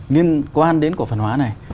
liên quan đến cổ phần hóa này